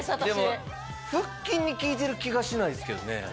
でも腹筋に効いてる気がしないですけどね。